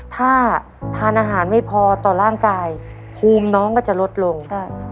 ถ้าทานอาหารไม่พอต่อร่างกายภูมิน้องก็จะลดลง